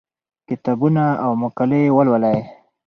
کتابونه او مقالې ولولئ.